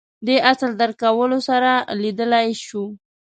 دې اصل درک کولو سره لیدلای شو